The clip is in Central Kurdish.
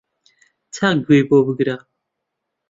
چاک گوێی بۆ بگرە